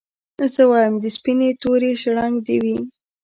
زه وايم د سپيني توري شړنګ دي وي